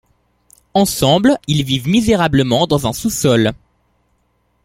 Ensemble, ils vivent misérablement dans un sous-sol.